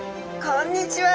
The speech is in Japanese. こんにちは。